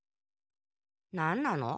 なんなの？